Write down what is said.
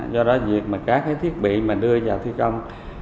do đó việc mà các cái thiết bị mà đưa vào thi công